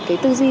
cái tư duy